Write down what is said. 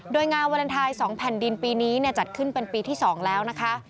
โดยงานวาเลนไทย๒แผ่นดินปีนี้จัดขึ้นเป็นปีที่๒แล้วนะคะ